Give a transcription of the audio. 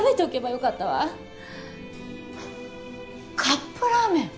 カップラーメン！